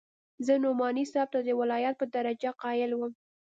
زه نعماني صاحب ته د ولايت په درجه قايل وم.